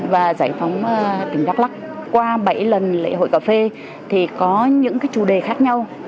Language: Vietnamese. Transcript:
và giải phóng tỉnh đắk lắc qua bảy lần lễ hội cà phê thì có những chủ đề khác nhau